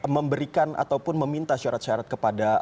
memberikan ataupun meminta syarat syarat kepada